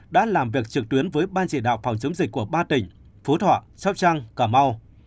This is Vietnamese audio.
đã làm việc trực tuyến với ban chỉ đạo phòng chống dịch của ba tỉnh phú thọ sóc trăng cà mau